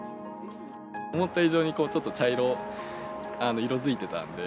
思った以上にちょっと茶色、色づいてたんで。